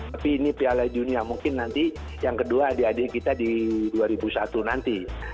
tapi ini piala dunia mungkin nanti yang kedua adik adik kita di dua ribu satu nanti